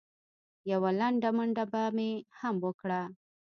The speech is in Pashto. یوه لنډه منډه به مې هم وکړه.